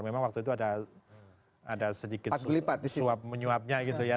memang waktu itu ada sedikit sulit suap menyuapnya gitu ya